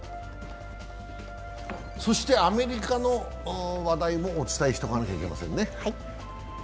そしてアメリカの話題もお伝えしておかなければいけませんね。